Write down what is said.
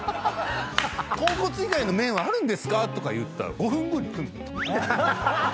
「とんこつ以外の麺はあるんですか？」とか言ったら５分後に。